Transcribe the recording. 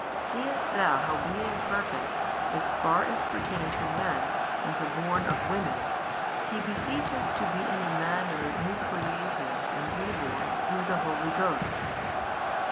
Seest thou how being perfect, as far as pertained to men and the born of women, he beseeches to be in a manner new created and re born through the Holy Ghost?